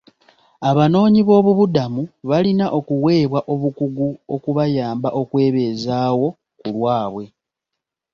Abanoonyi boobubudamu balina okuweebwa obukugu okubayamba okwebeezaawo ku lwaabwe.